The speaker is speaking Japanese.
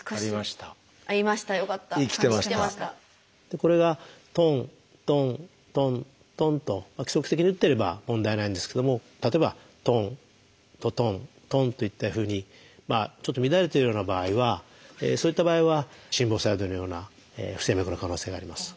これがトントントントンと規則的に打ってれば問題ないんですけども例えばトントトントンといったふうにちょっと乱れてるような場合はそういった場合は心房細動のような不整脈の可能性があります。